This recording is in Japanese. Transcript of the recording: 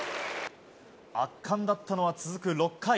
圧巻だったのは続く６回。